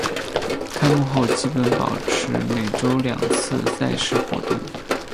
开幕后基本保持每周两次赛事活动。